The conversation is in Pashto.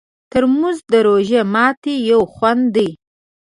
ترموز د روژه ماتي یو خوند دی.